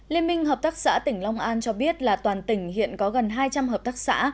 liên minh hợp tác xã tỉnh long an cho biết là toàn tỉnh hiện có gần hai trăm linh hợp tác xã